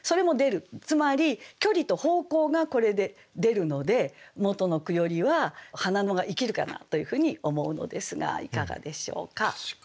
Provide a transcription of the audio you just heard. つまり距離と方向がこれで出るので元の句よりは「花野」が生きるかなというふうに思うのですがいかがでしょうか。